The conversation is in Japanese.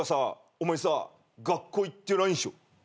お前さ学校行ってないんしょ？